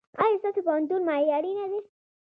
ایا ستاسو پوهنتون معیاري نه دی؟